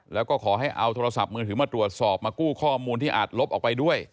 แล้วก็ขอให้เอาโทรศัพท์มือถือมาตรวจสอบมากู้ข้อมูลที่อาจลบออกไปด้วย